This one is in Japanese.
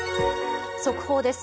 速報です。